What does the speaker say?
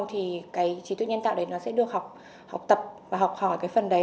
thì trí tuệ nhân tạo sẽ được học tập và học hỏi phần đấy